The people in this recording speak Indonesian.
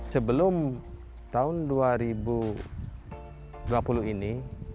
sebelum tahun dua ribu dua puluh ini